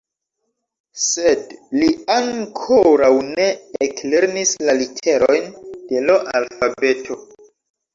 Sed li ankoraŭ ne eklernis la literojn de l' alfabeto.